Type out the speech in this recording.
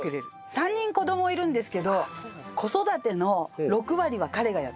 ３人子供いるんですけど子育ての６割は彼がやった。